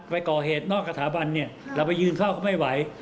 ไปก่อเหตุนอกสถาบันเนี่ยเราไปยืนเข้าก็ไม่ไหว